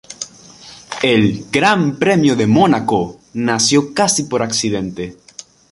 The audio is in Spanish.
El "Gran Premio de Mónaco" nació casi por accidente.